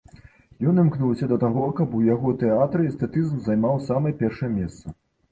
Ён імкнуўся да таго, каб у яго тэатры эстэтызм займаў самае першае месца.